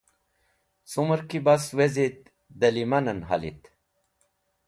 Cumẽr ki bas wezit dẽ lẽmanen halit.